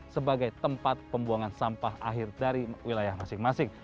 sebagai tempat pembuangan sampah akhir dari wilayah masing masing